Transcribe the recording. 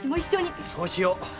そうしよう。